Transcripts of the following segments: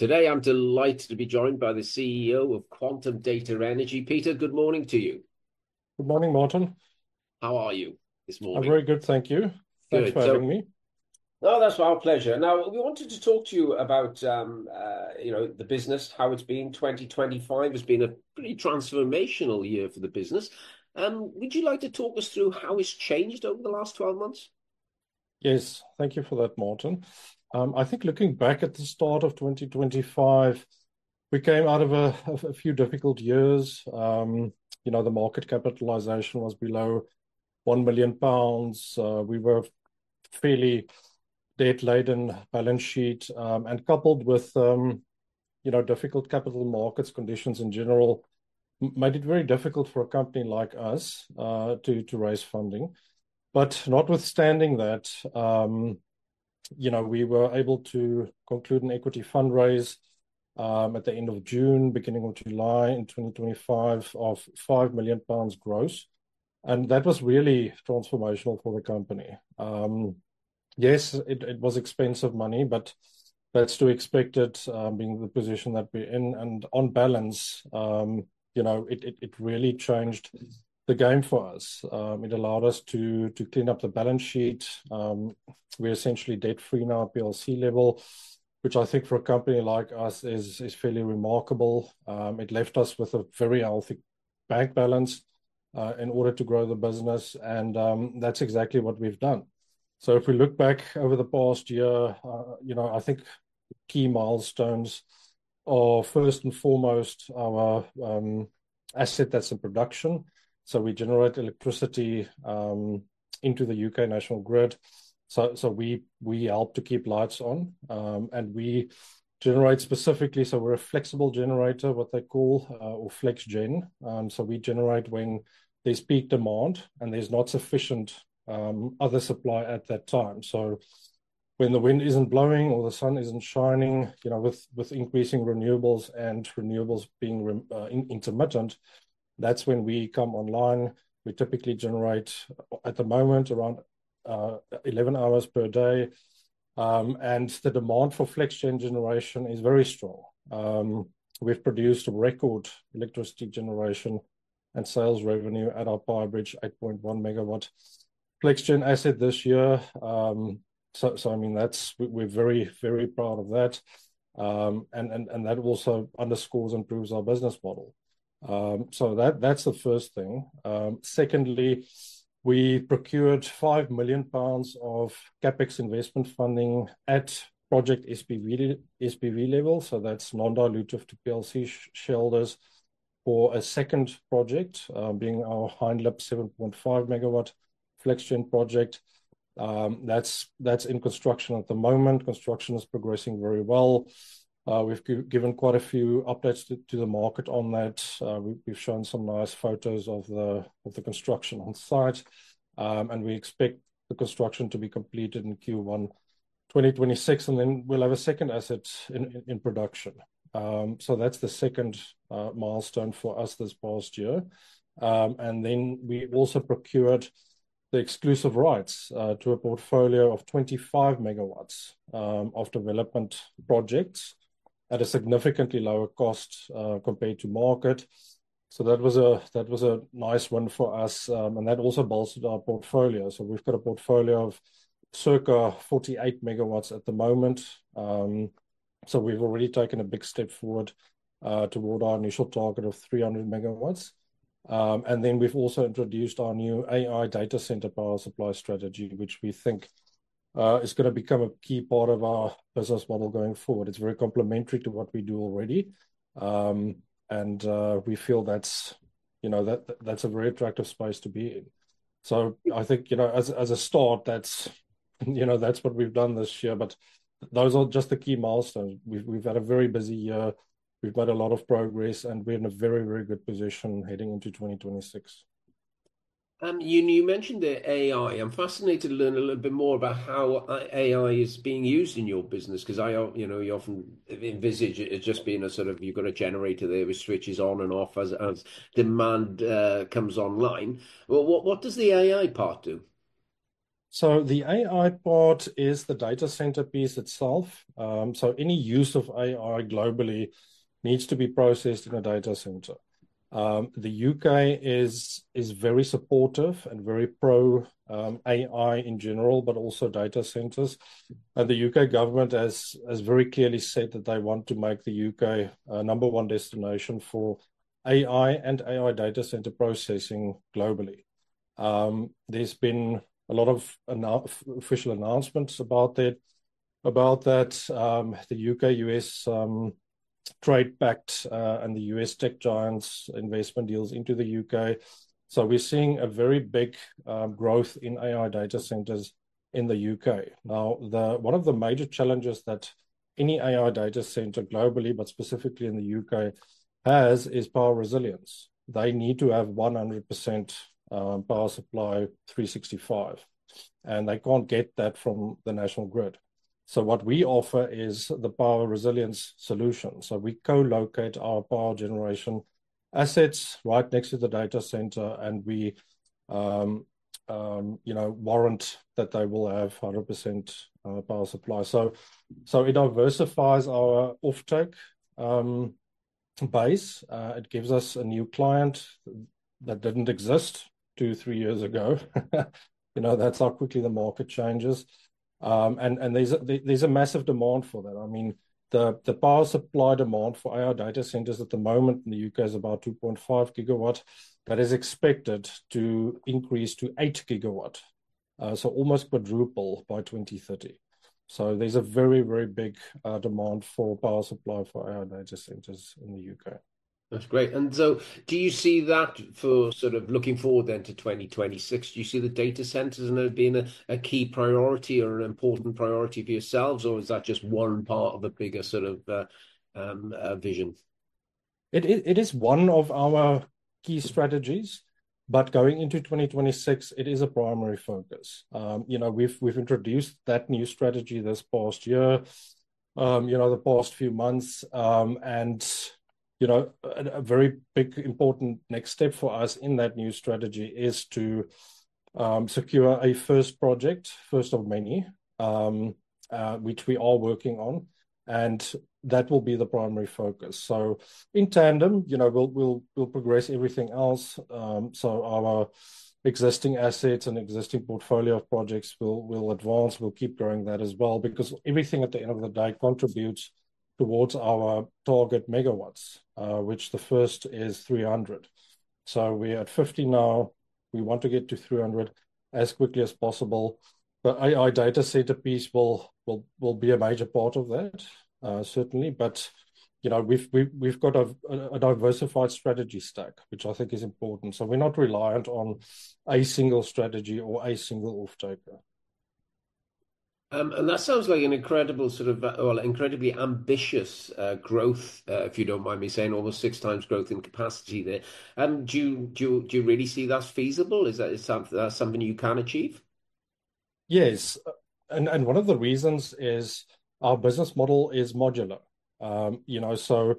Today I'm delighted to be joined by the CEO of Quantum Data Energy. Pieter, good morning to you. Good morning, Martin. How are you this morning? I'm very good, thank you. Good. Thanks for having me. No, that's our pleasure. Now, we wanted to talk to you about, you know, the business, how it's been. 2025 has been a pretty transformational year for the business. Would you like to talk us through how it's changed over the last 12 months? Yes. Thank you for that, Martin. I think looking back at the start of 2025, we came out of a few difficult years. You know, the market capitalization was below 1 million pounds. We were fairly debt-laden balance sheet, and coupled with, you know, difficult capital markets conditions in general made it very difficult for a company like us, to raise funding. But notwithstanding that, you know, we were able to conclude an equity fundraise, at the end of June, beginning of July in 2025 of 5 million pounds gross, and that was really transformational for the company. Yes, it was expensive money, but that's to be expected, being the position that we're in. On balance, you know, it really changed the game for us. It allowed us to clean up the balance sheet. We're essentially debt free in our PLC level, which I think for a company like us is fairly remarkable. It left us with a very healthy bank balance in order to grow the business, and that's exactly what we've done. If we look back over the past year, you know, I think key milestones are first and foremost our asset that's in production. We generate electricity into the U.K. National Grid. We help to keep lights on, and we generate specifically. We're a flexible generator, what they call or FlexGen. We generate when there's peak demand and there's not sufficient other supply at that time. When the wind isn't blowing or the sun isn't shining, you know, with increasing renewables and renewables being intermittent, that's when we come online. We typically generate at the moment around 11 hours per day. And the demand for FlexGen generation is very strong. We've produced record electricity generation and sales revenue at our Pyebridge 8.1 MW FlexGen asset this year. I mean, that's we're very proud of that. And that also underscores and proves our business model. That's the first thing. Secondly, we procured 5 million pounds of CapEx investment funding at project SPV level, so that's non-dilutive to PLC shareholders for a second project, being our Hindlip 7.5 MW FlexGen project. That's in construction at the moment. Construction is progressing very well. We've given quite a few updates to the market on that. We've shown some nice photos of the construction on site, and we expect the construction to be completed in Q1 2026, and then we'll have a second asset in production. That's the second milestone for us this past year. We also procured the exclusive rights to a portfolio of 25 MW of development projects at a significantly lower cost compared to market. That was a nice one for us. That also bolstered our portfolio. We've got a portfolio of circa 48 MW at the moment. We've already taken a big step forward toward our initial target of 300 MW. We've also introduced our new AI data center power supply strategy, which we think is gonna become a key part of our business model going forward. It's very complementary to what we do already. We feel that's you know a very attractive space to be in. I think you know as a start that's what we've done this year. Those are just the key milestones. We've had a very busy year. We've made a lot of progress, and we're in a very good position heading into 2026. You mentioned AI. I'm fascinated to learn a little bit more about how AI is being used in your business because you know, you often envisage it as just being a sort of, you've got a generator there which switches on and off as demand comes online. But what does the AI part do? The AI part is the data center piece itself. Any use of AI globally needs to be processed in a data center. The U.K. is very supportive and very pro AI in general, but also data centers. The U.K. government has very clearly said that they want to make the U.K. a number one destination for AI and AI data center processing globally. There's been a lot of official announcements about that, the U.K.-U.S. trade pact and the U.S. tech giants' investment deals into the U.K. We're seeing a very big growth in AI data centers in the U.K. One of the major challenges that any AI data center globally, but specifically in the U.K., has is power resilience. They need to have 100% power supply 365 days, and they can't get that from the National Grid. What we offer is the power resilience solution. We co-locate our power generation assets right next to the data center, and we, you know, warrant that they will have 100% power supply. It diversifies our offtake base. It gives us a new client that didn't exist two-three years ago. You know, that's how quickly the market changes. There's a massive demand for that. I mean, the power supply demand for AI data centers at the moment in the U.K. is about 2.5 GW. That is expected to increase to 8 GW, so almost quadruple by 2030. There's a very, very big demand for power supply for AI data centers in the U.K. That's great. Do you see that for sort of looking forward then to 2026, do you see the data centers now being a key priority or an important priority for yourselves, or is that just one part of a bigger sort of vision? It is one of our key strategies, but going into 2026 it is a primary focus. You know, we've introduced that new strategy this past year, you know, the past few months, and, you know, a very big, important next step for us in that new strategy is to secure a first project, first of many, which we are working on, and that will be the primary focus. In tandem, you know, we'll progress everything else. Our existing assets and existing portfolio of projects will advance. We'll keep growing that as well because everything at the end of the day contributes towards our target megawatts, which the first is 300 MW. We're at 50 MW now. We want to get to 300 MW as quickly as possible. The AI data center piece will be a major part of that, certainly, but, you know, we've got a diversified strategy stack, which I think is important, so we're not reliant on a single strategy or a single offtaker. That sounds like an incredibly ambitious growth, if you don't mind me saying, almost six times growth in capacity there. Do you really see that's feasible? Is that something you can achieve? Yes. One of the reasons is our business model is modular. You know,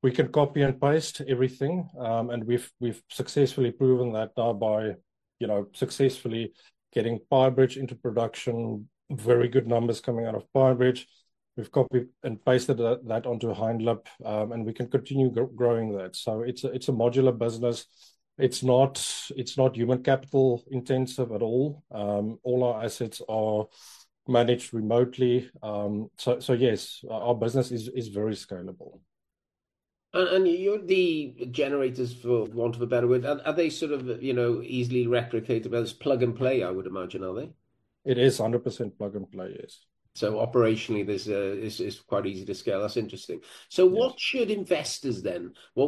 we can copy and paste everything, and we've successfully proven that now by, you know, successfully getting Pyebridge into production, very good numbers coming out of Pyebridge. We've copied and pasted that onto Hindlip, and we can continue growing that. It's a modular business. It's not human capital intensive at all. All our assets are managed remotely. Yes, our business is very scalable. The generators, for want of a better word, are they sort of, you know, easily replicated? Well, it's plug and play I would imagine, are they? It is 100% plug and play, yes. Operationally this is quite easy to scale. That's interesting. Yeah. What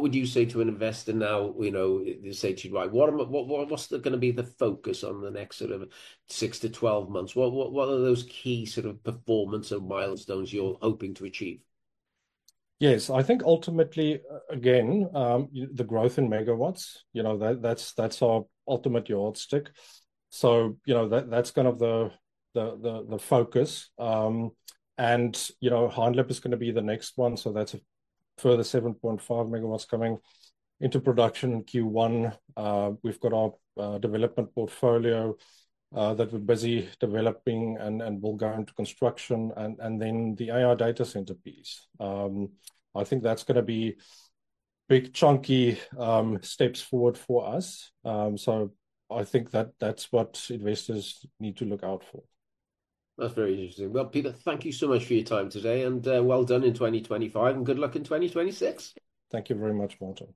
would you say to an investor now, you know, they say to you, "Right, what's gonna be the focus on the next sort of six to 12 months?" What are those key sort of performance or milestones you're hoping to achieve? Yes. I think ultimately the growth in megawatts, you know. That's our ultimate yardstick, you know, that's kind of the focus. Hindlip is gonna be the next one, so that's a further 7.5 MW coming into production in Q1. We've got our development portfolio that we're busy developing and will go into construction and then the AI data center piece. I think that's gonna be big, chunky steps forward for us. I think that's what investors need to look out for. That's very interesting. Well, Pieter, thank you so much for your time today, and well done in 2025 and good luck in 2026. Thank you very much, Martin.